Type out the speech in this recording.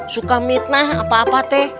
suka mitnah apa apa